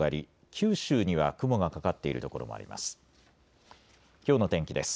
九州には雲がかかっている所もあります。